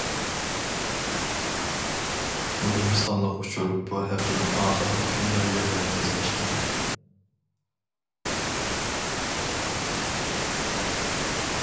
مۇھىم سانلىق ئۇچۇر بۇ ھەپتىنىڭ ئاخىرقى كۈنلىرىگە مەركەزلەشكەن.